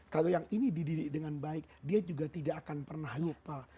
kalau yang ini dididik dengan baik dia juga tidak akan pernah lupa